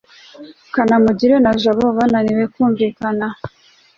kanamugire na jabo bananiwe kumvikana